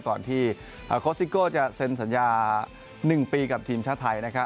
ก่อนที่ก็จะเซ็นสัญญา๑ปีกับทีมชาวไทยนะครับ